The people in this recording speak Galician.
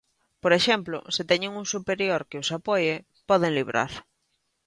Por exemplo, se teñen un superior que os apoie, poden librar.